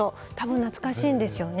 懐かしいんですよね。